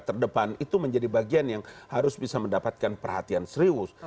terdepan itu menjadi bagian yang harus bisa mendapatkan perhatian serius